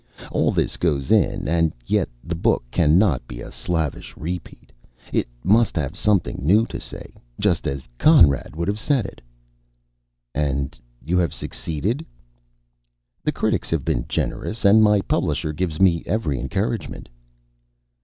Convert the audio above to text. All this goes in, and yet the book cannot be a slavish repeat. It must have something new to say, just as Conrad would have said it." "And have you succeeded?" "The critics have been generous, and my publisher gives me every encouragement."